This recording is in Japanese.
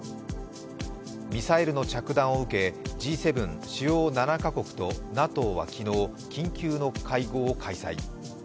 ミサイルの着弾を受け、Ｇ７＝主要７か国とＮＡＴＯは緊急の会合を開催。